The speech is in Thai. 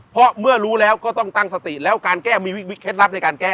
เพราะเมื่อรู้แล้วก็ต้องตั้งสติแล้วการแก้มีเคล็ดลับในการแก้